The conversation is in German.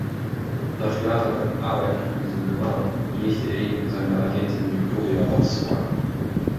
Nach jahrelangem Arbeiten an diesem Roman legte er ihn seiner Agentin Victoria Hobbs vor.